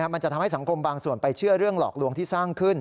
มันจะทำให้สังคมบางส่วนไปเชื่อเรื่องหลอกลวงที่สร้างขึ้น